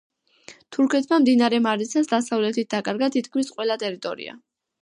თურქეთმა მდინარე მარიცას დასავლეთით დაკარგა თითქმის ყველა ტერიტორია.